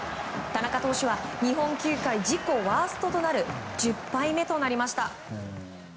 田中投手は日本球界自己ワーストとなる１０敗目となりました。